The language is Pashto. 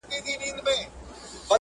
او یا د دوی لنډه غر